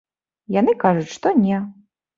Яны кажуць, што не.